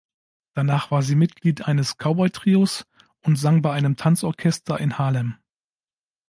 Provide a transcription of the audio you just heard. Danach war sie Mitglied eines Cowboy-Trios und sang bei einem Tanzorchester in Haarlem.